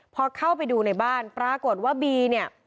พอเข้าไปดูในบ้านปรากฏว่าบีเนี่ย